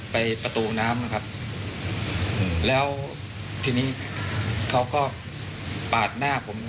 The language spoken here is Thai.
ประตูน้ำนะครับแล้วทีนี้เขาก็ปาดหน้าผม